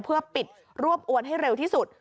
เพื่อปิดรวบอวนให้เร็วที่สุด